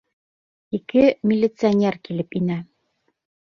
Ике милиционер килеп инә.